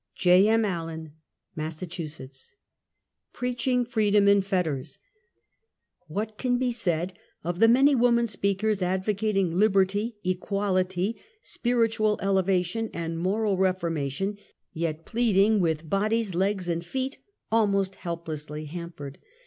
J. M. Allen, Massachusetts. Preaching freedom in Fetters. What can be said of the many woman speakers ad vocating liberty, equality, spiritual elevation and moral reformation, yet pleading, with bodies legs and feet almost helplessly hampered